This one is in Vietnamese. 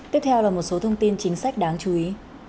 tiếp theo là một số thông tin chính sách đáng chú ý